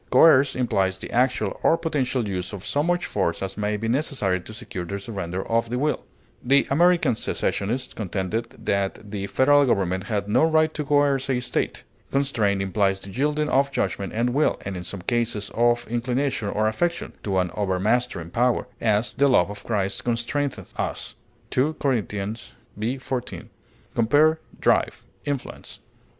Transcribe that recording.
Coerce implies the actual or potential use of so much force as may be necessary to secure the surrender of the will; the American secessionists contended that the Federal government had no right to coerce a State. Constrain implies the yielding of judgment and will, and in some cases of inclination or affection, to an overmastering power; as, "the love of Christ constraineth us," 2 Cor. v, 14. Compare DRIVE; INFLUENCE.